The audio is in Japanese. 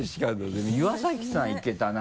でも岩崎さんいけたな。